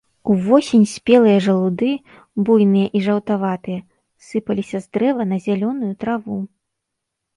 Увосень спелыя жалуды, буйныя і жаўтаватыя, сыпаліся з дрэва на зялёную траву.